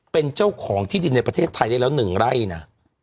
เป็นเจ้าของที่ดินในประเทศไทยได้แล้ว๑ไร่นะ